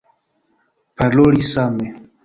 Paroli same.